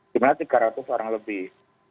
jumlah tiga ratus orang lebih